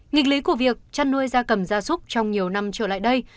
nghịch lý của việc chăn nuôi ra cầm ra súc trong nhiều năm trở lại đây